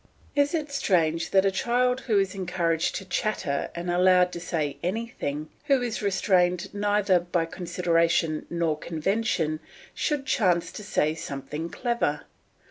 Is it strange that a child who is encouraged to chatter and allowed to say anything, who is restrained neither by consideration nor convention, should chance to say something clever?